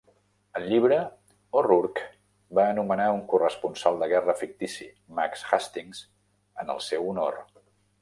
Al llibre, O'Rourke va anomenar un corresponsal de guerra fictici Max Hastings en el seu honor.